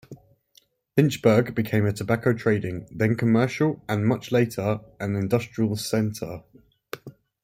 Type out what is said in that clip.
Lynchburg became a tobacco trading, then commercial, and much later an industrial center.